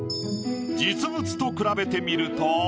実物と比べてみると。